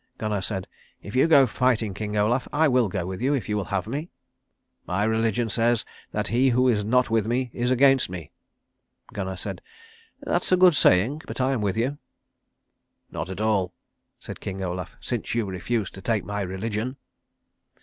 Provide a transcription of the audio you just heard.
Gunnar said, "If you go fighting, King Olaf, I will go with you, if you will have me." "My religion says that he who is not with me is against me." Gunnar said, "That's a good saying. But I am with you." "Not at all," said King Olaf, "since you refuse to take my religion."